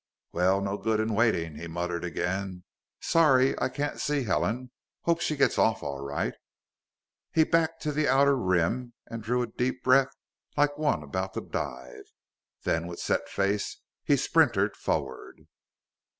"Well, no good in waiting," he muttered again. "Sorry I can't see Helen. Hope she gets off all right." He backed to the outer rim and drew a deep breath, like one about to dive. Then, with set face, he sprinted forward.